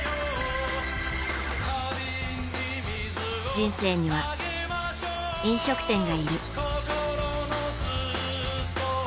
人生には、飲食店がいる。